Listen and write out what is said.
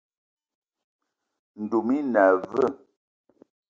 Ndoum i na aveu?